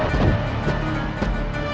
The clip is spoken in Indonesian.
aku mau ke kanjeng itu